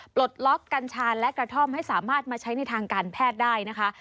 ปลดล็อกกัญชาและกระท่อมให้สามารถมาใช้ในทางการแพทย์ได้นะคะ